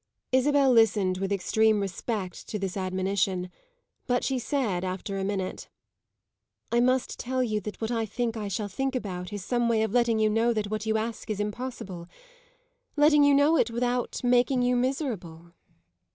Isabel listened with extreme respect to this admonition, but she said after a minute: "I must tell you that what I shall think about is some way of letting you know that what you ask is impossible letting you know it without making you miserable."